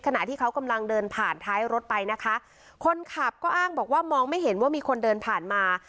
ขณะที่เขากำลังเดินผ่านท้ายรถไปนะคะคนขับก็อ้างบอกว่ามองไม่เห็นว่ามีคนเดินผ่านมา